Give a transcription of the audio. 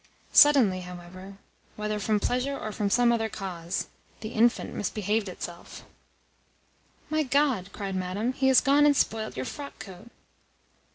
Suddenly, however whether from pleasure or from some other cause the infant misbehaved itself! "My God!" cried Madame. "He has gone and spoilt your frockcoat!"